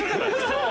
そう。